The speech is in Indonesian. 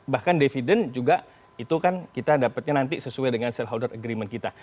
bahkan dividen juga itu kan kita dapatnya nanti sesuai dengan saleholder agreement kita